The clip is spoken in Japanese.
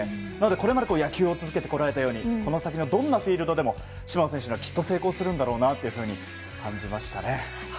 これまで野球を続けてこられたようにこの先どんなフィールドでも島野選手はきっと成功するんだろうなと感じました。